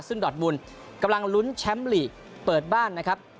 ซึ่งดอดบุญกำลังลุ้นแชมป์ลีกเปิดบ้านนะครับ